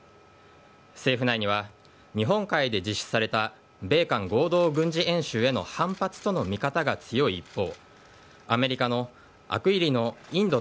政府内には、日本海で実施された米韓合同軍事演習への反発との見方が強い一方、アメリカのアクイリノインド